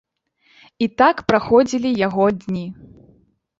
І так праходзілі яго дні.